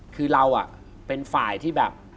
คือเราเป็นฝ่ายที่แบบ